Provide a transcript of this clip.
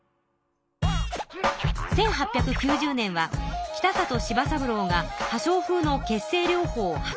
１８９０年は北里柴三郎が破傷風の血清療法を発見した年。